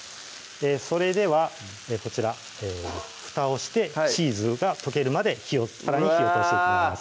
それではこちらふたをしてチーズが溶けるまでさらに火を通していきます